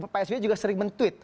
pak sby juga sering men tweet